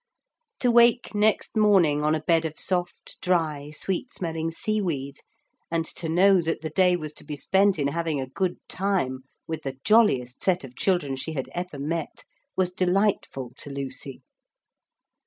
To wake next morning on a bed of soft, dry, sweet smelling seaweed, and to know that the day was to be spent in having a good time with the jolliest set of children she had ever met, was delightful to Lucy.